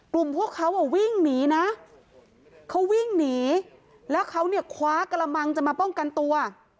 พวกเขาอ่ะวิ่งหนีนะเขาวิ่งหนีแล้วเขาเนี่ยคว้ากระมังจะมาป้องกันตัว